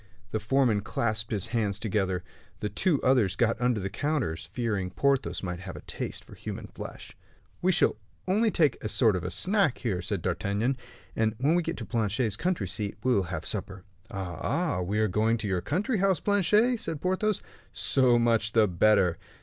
The foreman clasped his hands together. The two others got under the counters, fearing Porthos might have a taste for human flesh. "We shall only take a sort of snack here," said D'Artagnan; "and when we get to Planchet's country seat, we will have supper." "Ah, ah! so we are going to your country house, Planchet," said Porthos; "so much the better."